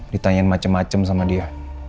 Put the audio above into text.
ditanyain macem macem sama dia